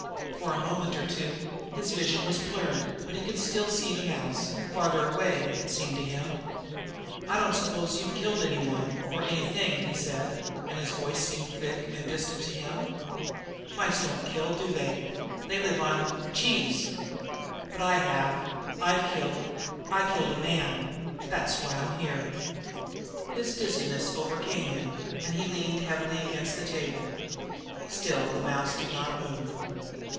For a moment or two his vision was blurred, but he could still see the mouse farther away, it seemed to him. "I don't s'pose you've killed anyone or anything," he said, and his voice seemed thick and distant to him. "Mice don't kill, do they? They live on cheese. But I have I've killed. I killed a man. That's why I'm here." His dizziness almost overcame him, and he leaned heavily against the table. Still the little mouse did not move.